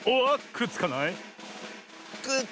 くっつかない！